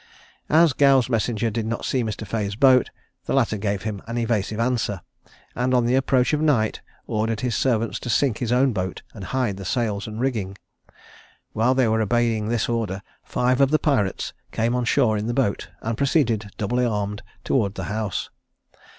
As Gow's messenger did not see Mr. Fea's boat, the latter gave him an evasive answer; and on the approach of night ordered his servants to sink his own boat, and hide the sails and rigging. While they were obeying this order five of the pirates came on shore in the boat, and proceeded, doubly armed, towards the house.